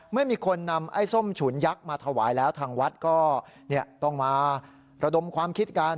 เมื่อมีคนนำไอ้ส้มฉุนยักษ์มาถวายแล้วทางวัดก็ต้องมาระดมความคิดกัน